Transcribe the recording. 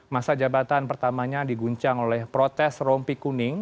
masa jabatan pertamanya diguncang oleh protes rompi kuning